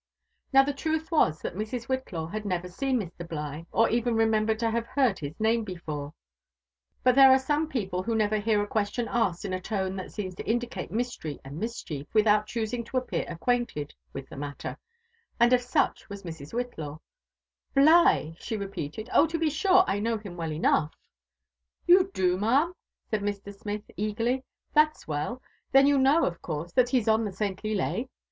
Now the truth was, that Mrs. Whitlaw had never seen Mr. Bligh, or even remembered to have heard his name before : but there are some people who never hear a question asked in a tone that seems to indicate myslery and mischief, without choosing to appear acquainted with the matter; and of such was Mrs. Whitlaw. Bligh!" she repeated; "oh, to be sure, I know him well enough." •' You do, ma'am?" said Mr. Smith eagerly : that's well. Then you know, of course, that he's on the saintly lay?